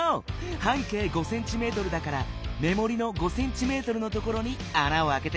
半径５ｃｍだからめもりの５ｃｍのところにあなをあけて。